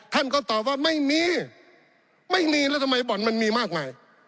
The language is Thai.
ท่านก็ตอบว่าไม่มีไม่มีแล้วทำไมบ่อนมันมีมากมาย